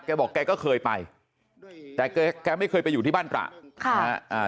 บอกแกก็เคยไปแต่แกไม่เคยไปอยู่ที่บ้านตระค่ะอ่า